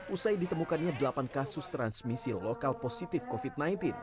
usai ditemukannya delapan kasus transmisi lokal positif covid sembilan belas